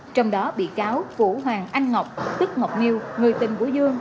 trong đó bị cáo vũ hoàng anh ngọc tức ngọc nghiêu người tên của dương